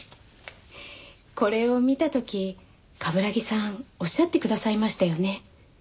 これを見た時冠城さんおっしゃってくださいましたよね。